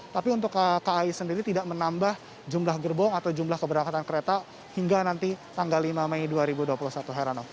tapi untuk kai sendiri tidak menambah jumlah gerbong atau jumlah keberangkatan kereta hingga nanti tanggal lima mei dua ribu dua puluh satu herano